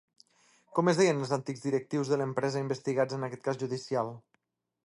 Com es deien els antics directius de l'empresa investigats en aquest cas judicial?